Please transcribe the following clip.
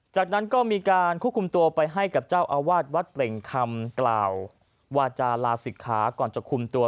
จากนั้นก็มีการควบคุมตัวไปให้กับเจ้าอาวาสวัดเปล่งคำกล่าววาจาลาศิกขาก่อนจะคุมตัว